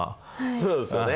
そうですよね。